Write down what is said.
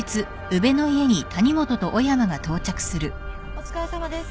お疲れさまです。